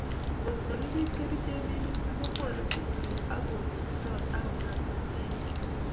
Ngot makibiit kerchek minutik kwomei tutuik akonunsot akongem batishet